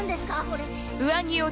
これ。